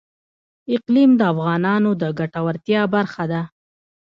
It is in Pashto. اقلیم د افغانانو د ګټورتیا برخه ده.